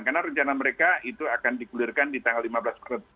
karena rencana mereka itu akan digulirkan di tanggal lima belas maret